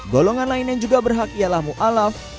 golongan lain yang juga berhak ialah mu'alaf